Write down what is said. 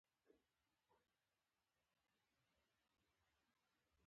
د دې ګډېدو څخه مالي پانګه رامنځته کېږي